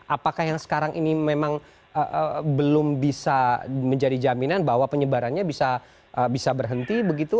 apakah yang sekarang ini memang belum bisa menjadi jaminan bahwa penyebarannya bisa berhenti begitu